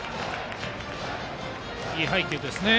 いい配球ですね。